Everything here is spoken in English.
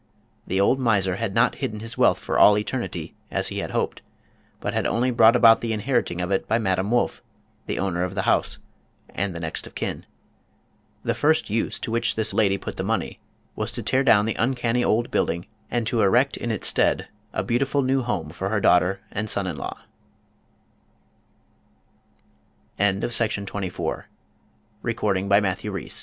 The old miser had not hidden his wealth for all eternity.,, as he had hoped, but had only brought about the inheriting of it by Madame Wolff, the owner of the house, and the next of kin. The first use to which this lady put the money was to tear down the uncanny old building and to erect in its stead a beautiful new home for her daughter